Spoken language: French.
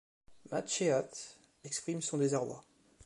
Macheath exprime son désarroi.